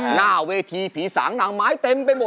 หน้าเวทีภีรสางหนังหมายเต็มไปหมด